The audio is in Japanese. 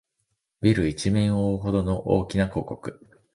ビル一面をおおうほどの大きな広告